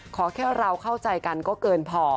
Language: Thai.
ขอแค่เราเข้าใจกันก็เกินพอ